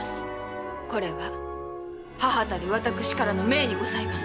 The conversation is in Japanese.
これは母たる私からの命にございます。